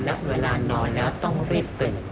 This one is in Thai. และเวลานอนแล้วต้องรีบตื่น